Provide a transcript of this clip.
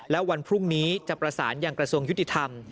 และวันพรุ่งนี้จะประสานยังกระทรวงยุติธรรม